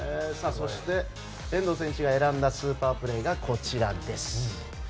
そして遠藤選手が選んだスーパープレーがこちらです。